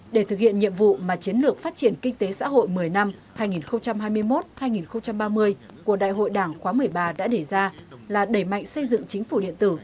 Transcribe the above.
để thực hiện nhiệm vụ mà chiến lược phát triển kinh tế xã hội một mươi năm hai nghìn hai mươi một hai nghìn ba mươi của đại hội đảng khóa một mươi ba đã đề ra là đẩy mạnh xây dựng chính phủ điện tử